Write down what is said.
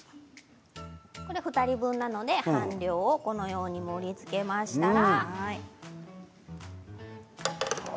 ２人分なので半量をこのように盛りつけましたら。